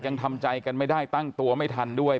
ยังทำใจกันไม่ได้ตั้งตัวไม่ทันด้วย